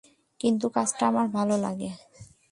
কিন্তু কাজটা আমার ভালো লাগে।